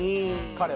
彼は。